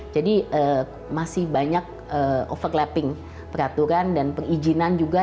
jadi masih banyak overlapping peraturan dan perizinan juga